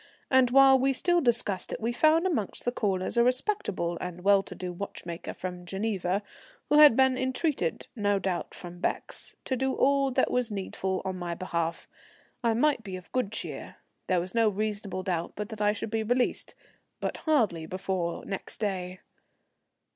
And while we still discussed it we found amongst the callers a respectable and well to do watchmaker from Geneva, who had been entreated (no doubt from Becke's) to do all that was needful on my behalf. I might be of good cheer; there was no reasonable doubt but that I should be released, but hardly before next day.